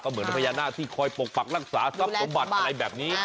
เหมือนพญานาคที่คอยปกปักรักษาทรัพย์สมบัติอะไรแบบนี้